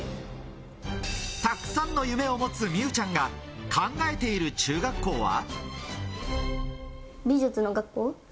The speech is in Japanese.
たくさんの夢を持つ美羽ちゃんが考えている中学校は？